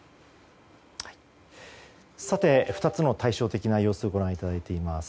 ２つの対照的な様子をご覧いただいています。